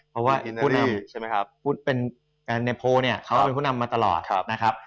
เพราะว่าผู้นำในโพลเขาเป็นผู้นำมาตลอดนะครับ